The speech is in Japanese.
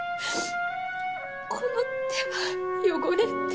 この手は汚れて。